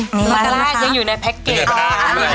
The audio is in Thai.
หมาล่ายังอยู่ในแพ็กเกจค่ะ